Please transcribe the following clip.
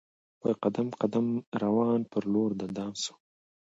په قدم قدم روان پر لور د دام سو